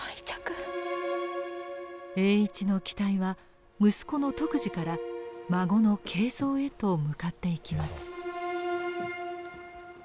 栄一の期待は息子の篤二から孫の敬三へと向かっていきます。